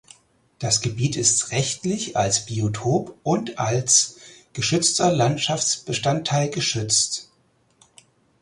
Das Gebiet ist rechtlich als Biotop und als geschützter Landschaftsbestandteil geschützt.